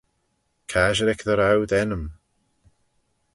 Casherick dy row dt'ennym.